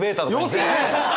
よせ！